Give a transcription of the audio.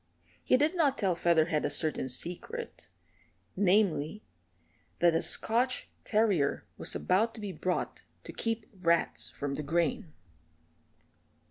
He did not tell Featherhead a certain secret namely, that a Scotch terrier was about to be bought to keep rats from the grain.